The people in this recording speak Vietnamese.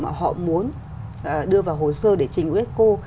mà họ muốn đưa vào hồ sơ để trình upco